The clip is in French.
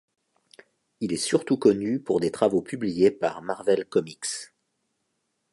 Il est surtout connu pour des travaux publiés par Marvel Comics.